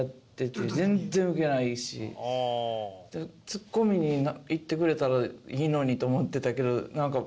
ツッコミにいってくれたらいいのにと思ってたけどなんか。